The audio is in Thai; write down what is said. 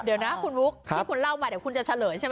เดี๋ยวนะคุณบุ๊คที่คุณเล่ามาเดี๋ยวคุณจะเฉลยใช่ไหม